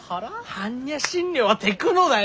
般若心経はテクノだよ？